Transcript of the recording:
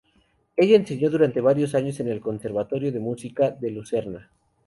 Ella enseñó durante varios años en el Conservatorio de Música de Lucerna.